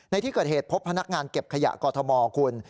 ในที่เกิดเหตุพบพนักงานเก็บขยะกอทมคุณ